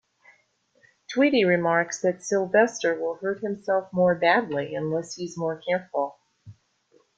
Tweety remarks that Sylvester will hurt himself more badly unless he's more careful.